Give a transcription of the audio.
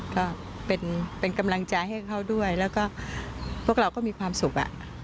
ก็เป็นกำลังใจให้เขาด้วยแล้วก็พวกเราก็มีความสุข